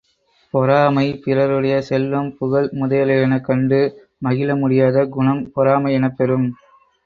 பொறாமை பிறருடைய செல்வம், புகழ் முதலியன கண்டு மகிழ முடியாத குணம் பொறாமை எனப்பெறும்.